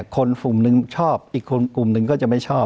คนกลุ่มหนึ่งชอบอีกคนกลุ่มหนึ่งก็จะไม่ชอบ